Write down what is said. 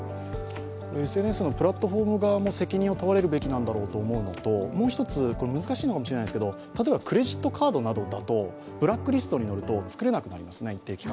ＳＮＳのプラットフォーム側も責任を問われるべきなんだろうと思うのともう一つ、難しいかもしれませんが例えばクレジットカードなどだとブラックリストになると作れなくなりますね、一定期間。